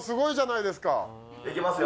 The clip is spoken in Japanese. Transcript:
いきますよ！